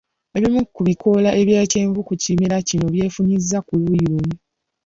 Ebimu ku bikoola ebya kyenvu ku kimera kino byefunyizza ku luyi lumu.